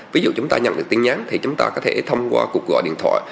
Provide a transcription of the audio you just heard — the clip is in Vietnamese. ví dụ chúng ta nhận được tin nhắn thì chúng ta có thể thông qua cuộc gọi điện thoại